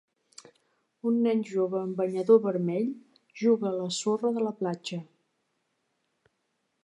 Un nen jove amb banyador vermell juga a la sorra de la platja.